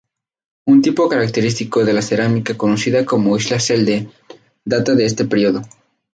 Un tipo característico de la cerámica conocida como Isla Selden data de este período.